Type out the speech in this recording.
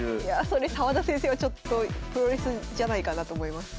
それ澤田先生はちょっとプロレスじゃないかなと思います。